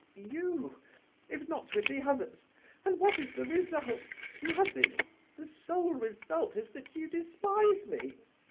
you—if not with the others! And what is the result? Nothing! The sole result is that you despise me!